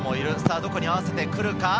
どこに合わせてくるか？